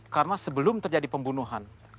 karena sebelum terjadi pembunuhan